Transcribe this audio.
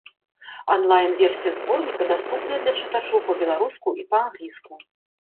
Анлайн-версія зборніка даступна для чытачоў па-беларуску і па-англійску.